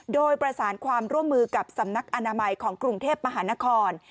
โดยประสานความร่วมมือกับสำนักอนามัยของกรุงเทพมหานคร